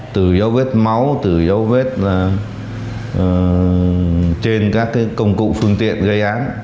từ dấu vết máu từ dấu vết trên các công cụ phương tiện gây án